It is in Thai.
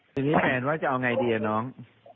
ทีนี้แฟนว่าจะเอาไงดีอะน้อง